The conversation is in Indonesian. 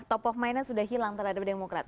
top of mind nya sudah hilang terhadap demokrat